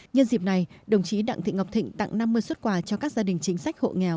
nhân dịp này đồng chí đặng thị ngọc thịnh tặng năm mươi xuất quà cho các gia đình chính sách hộ nghèo